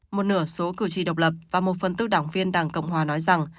một nửa số cử tri độc lập và một phần tư đảng viên đảng cộng hòa nói rằng